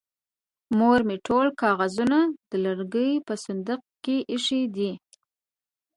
مور مې ټول کاغذونه د لرګي په صندوق کې ايښې دي.